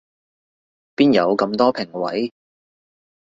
邊有咁多評委